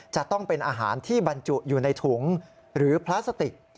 จะต้องเป็นอาหารที่บรรจุอยู่ในถุงหรือพลาสติก